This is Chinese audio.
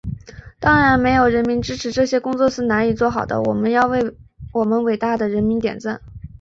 当然，没有人民支持，这些工作是难以做好的，我要为我们伟大的人民点赞。